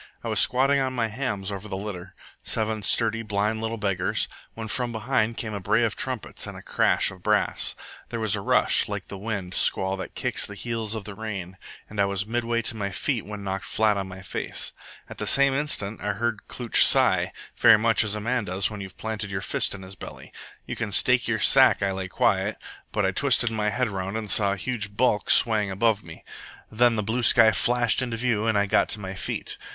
I was squatting on my hams over the litter seven sturdy, blind little beggars when from behind came a bray of trumpets and crash of brass. There was a rush, like the wind squall that kicks the heels of the rain, and I was midway to my feet when knocked flat on my face. At the same instant I heard Klooch sigh, very much as a man does when you've planted your fist in his belly. You can stake your sack I lay quiet, but I twisted my head around and saw a huge bulk swaying above me. Then the blue sky flashed into view and I got to my feet.